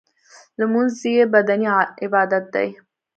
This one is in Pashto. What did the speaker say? لمونځ یو بدنی عبادت دی .